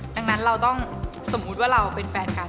ดังนั้นเราต้องสมมุติว่าเราเป็นแฟนกัน